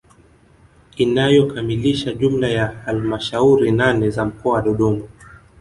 Inayokamilisha jumla ya halamashauri nane za mkoa wa Dodoma